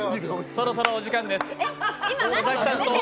そろそろお時間です。